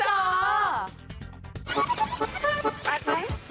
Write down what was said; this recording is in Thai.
เบ๊กเบ๊ก